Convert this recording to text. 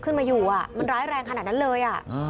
ขึ้นมาอยู่มันร้ายแรงขนาดนั้นเลย